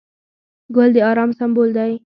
ګل د ارام سمبول دی.